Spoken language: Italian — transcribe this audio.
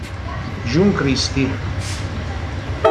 June Christy